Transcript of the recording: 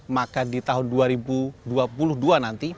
maka di tahun dua ribu dua puluh dua nanti